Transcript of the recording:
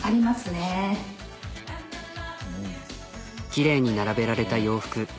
きれいに並べられた洋服。